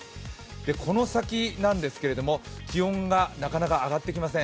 この先なんですけれども気温がなかなか上がってきません。